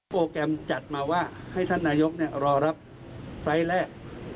โปรแกรมจัดมาว่าให้ท่านนายกรอรับไฟล์แรก